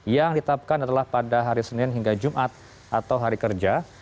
yang ditapkan adalah pada hari senin hingga jumat atau hari kerja